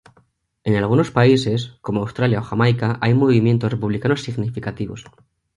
En algunos países, como Australia o Jamaica hay movimientos republicanos significativos.